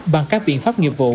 bằng các biện pháp nghiệp vụ